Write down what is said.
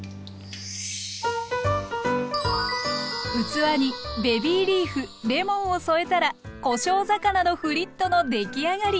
器にベビーリーフレモンを添えたらこしょう魚のフリットのできあがり。